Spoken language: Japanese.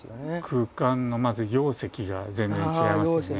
空間のまず容積が全然違いますよね。